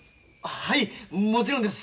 はいもちろんです。